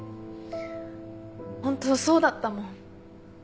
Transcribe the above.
ホントそうだったもん。